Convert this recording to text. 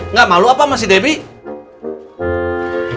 nggak malu apa mas si debbie